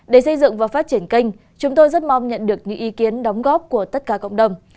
để xây dựng và phát triển kênh chúng tôi rất mong nhận được những ý kiến đóng góp của tất cả cộng đồng